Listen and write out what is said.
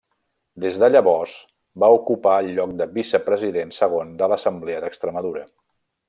Des de llavors va ocupar el lloc de vicepresident segon de l'Assemblea d'Extremadura.